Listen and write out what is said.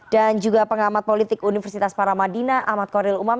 dan juga pengamat politik universitas paramadina ahmad khoril umam